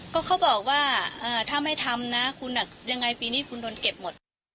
ก็เขาบอกว่าถ้าไม่ทำนะคุณยังไงปีนี้คุณโดนเก็บหมด